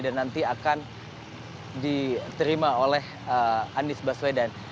dan nanti akan diterima oleh anies baswedan